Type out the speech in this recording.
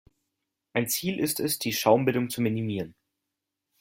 Ein Ziel ist es, die Schaumbildung zu minimieren.